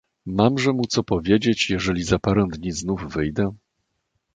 "Mamże mu co powiedzieć, jeżeli za parę dni znów wyjdę?“."